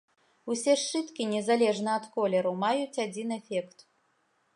Усе сшыткі, незалежна ад колеру, маюць адзін эфект.